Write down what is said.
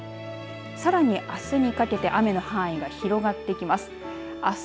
さらに、あすにかけて雨の範囲が広がってきます。